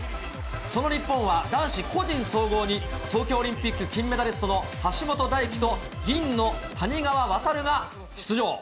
その日本は、男子個人総合に東京オリンピック金メダリストの橋本大輝と、銀の谷川航が出場。